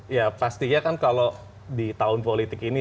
ya pastinya kan kalau di tahun politik ini